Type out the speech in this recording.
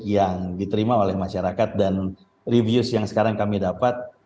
yang diterima oleh masyarakat dan reviews yang sekarang kami dapat